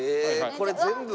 これ全部が。